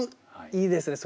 いいですね